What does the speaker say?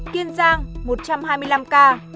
kiên giang một trăm hai mươi năm ca